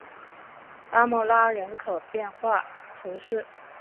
拉穆拉人口变化图示